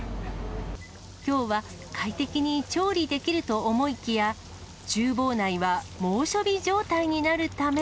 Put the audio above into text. きょうは快適に調理できると思いきや、ちゅう房内は猛暑日状態になるため。